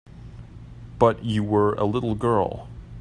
But you were a little girl.